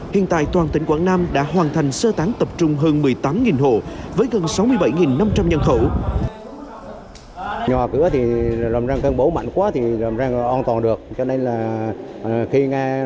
hiện tại toàn tỉnh quảng nam đã hoàn thành sơ tán tập trung hơn một mươi tám hộ với gần sáu mươi bảy năm trăm linh nhân khẩu